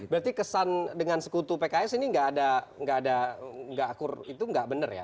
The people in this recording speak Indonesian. berarti kesan dengan sekutu pks ini gak ada akur itu gak bener ya